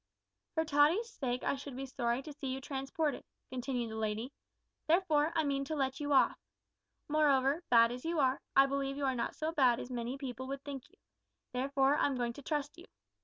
"For Tottie's sake I should be sorry to see you transported," continued the lady, "therefore I mean to let you off. Moreover, bad as you are, I believe you are not so bad as many people would think you. Therefore I'm going to trust you."